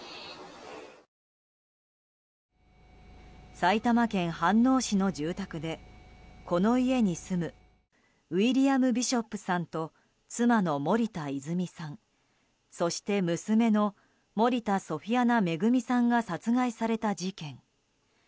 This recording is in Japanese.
埼玉県飯能市の住宅でこの家に住むウィリアム・ビショップさんと妻の森田泉さんそして娘の森田ソフィアナ恵さんが殺害された事件。